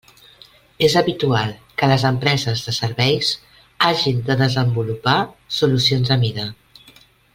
És habitual que les empreses de serveis hagin de desenvolupar solucions a mida.